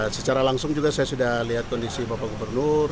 secara langsung juga saya sudah lihat kondisi bapak gubernur